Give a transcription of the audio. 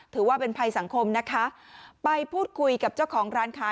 ถือว่าเป็นภัยสังคมนะคะไปพูดคุยกับเจ้าของร้านค้า